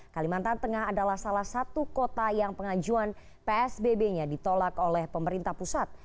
kalimantan tengah adalah salah satu kota yang pengajuan psbb nya ditolak oleh pemerintah pusat